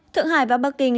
thượng hải và bắc kinh